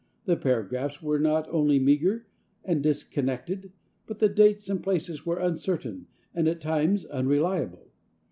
The paragraphs were not only meagre and disconnected, but the dates and places were uncertain and at times unreliable.